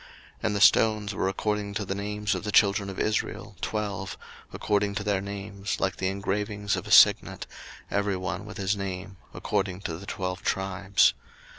02:039:014 And the stones were according to the names of the children of Israel, twelve, according to their names, like the engravings of a signet, every one with his name, according to the twelve tribes.